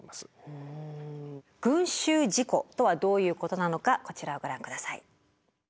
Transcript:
群集事故とはどういうことなのかこちらをご覧ください。